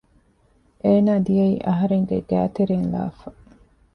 އޭނާ ދިޔައީ އަހަރެންގެ ގައިތެރެއިންލާފަ